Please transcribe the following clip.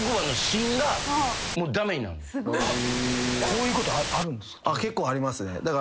こういうことあるんですか？